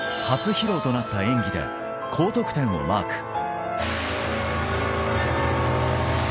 初披露となった演技で高得点をマーク。